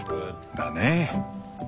だね。